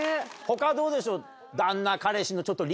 他どうでしょう？